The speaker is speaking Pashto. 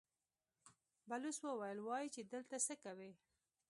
بلوڅ وويل: وايي چې دلته څه کوئ؟